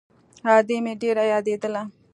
ادې مې ډېره يادېدله.